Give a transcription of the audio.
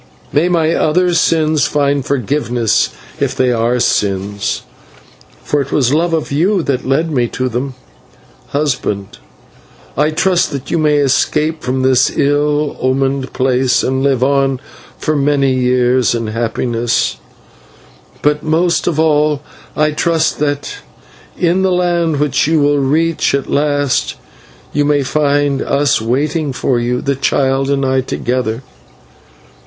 May my other sins find forgiveness, if they are sins, for it was my love of you that led me to them. Husband, I trust that you may escape from this ill omened place, and live on for many years in happiness; but most of all I trust that in the land which you will reach at last, you may find us waiting for you, the child and I together.